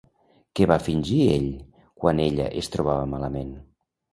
Què va fingir ell quan ella es trobava malament?